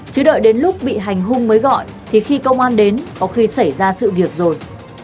chứ đợi đến lúc bị hành hung mới gọi thì khi công an đến có khi xảy ra sự việc rồi